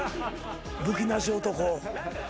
武器なし男。